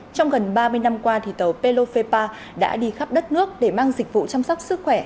trong gần ba mươi năm qua tàu pelofepa đã đi khắp đất nước để mang dịch vụ chăm sóc sức khỏe